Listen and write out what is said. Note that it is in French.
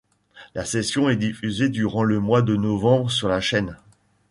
La session est diffusée durant le mois de novembre sur la chaîne.